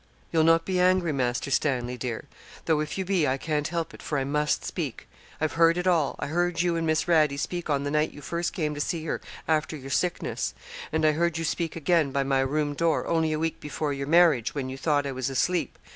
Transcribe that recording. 'You'll not be angry, Master Stanley, dear? though if you be, I can't help it, for I must speak. I've heard it all I heard you and Miss Radie speak on the night you first came to see her, after your sickness; and I heard you speak again, by my room door, only a week before your marriage, when you thought I was asleep.